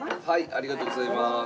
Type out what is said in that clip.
ありがとうございます。